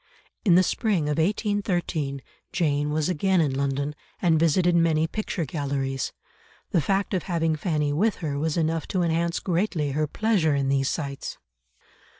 In the spring of 1813 Jane was again in London, and visited many picture galleries. The fact of having Fanny with her was enough to enhance greatly her pleasure in these sights.